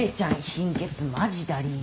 貧血マジだりぃ